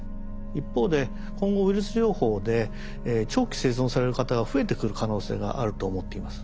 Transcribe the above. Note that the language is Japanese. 一方で今後ウイルス療法で長期生存される方が増えてくる可能性があると思っています。